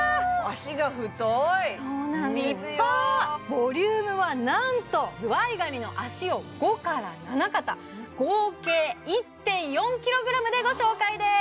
ボリュームはなんとズワイガニの脚を５から７肩合計１．４ｋｇでご紹介です